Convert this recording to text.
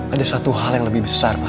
ada satu hal yang lebih besar